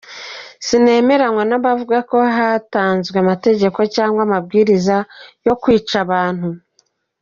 Sinemeranywa n’abavuga ko hatanzwe amategeko cyangwa amabwiriza yo kwica abantu.